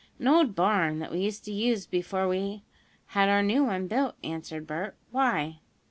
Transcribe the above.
"An old barn, that we used to use before we had our new one built," answered Bert. "Why?"